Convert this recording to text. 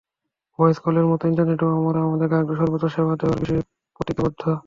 Voice কলের মতো ইন্টারনেটেও আমরা আমাদের গ্রাহকদের সর্বোচ্চ সেবা দেওয়ার বিষয়ে প্রতিজ্ঞাবদ্ধ।